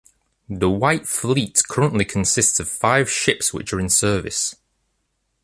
The White Fleet currently consists of five ships which are in service.